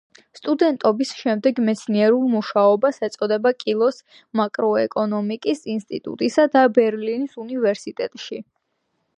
სტუდენტობის შემდეგ მეცნიერულ მუშაობას ეწოდა კილის მაკროეკონომიკის ინსტიტუტსა და ბერლინის უნივერსიტეტში.